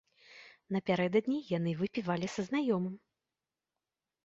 Напярэдадні яны выпівалі са знаёмым.